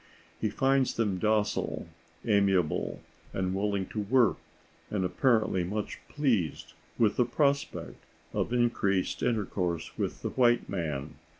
He finds them docile, amiable, and willing to work, and apparently much pleased with the prospect of increased intercourse with the white man.